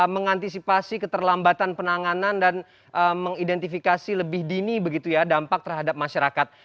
mengantisipasi keterlambatan penanganan dan mengidentifikasi lebih dini begitu ya dampak terhadap masyarakat